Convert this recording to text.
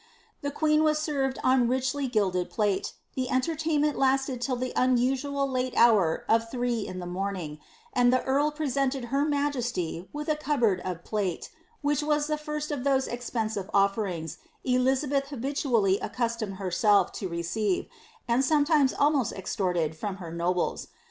The queen was served on richly gilded plate, the entertainment lasted till the unusually late hour of three in the morning, and the earl pre sented her majesty with a cupboard of plate, which was the first of those expensive ofierings, Elizabeth habitually accustomed herself to receive, and sometimes almc»st extorted, from her nobles.